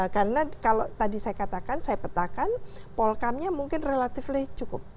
karena kalau tadi saya katakan saya petakan polkamnya mungkin relatively cukup